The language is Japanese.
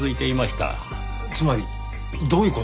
つまりどういう事？